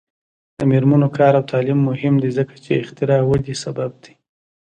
د میرمنو کار او تعلیم مهم دی ځکه چې اختراع ودې سبب دی.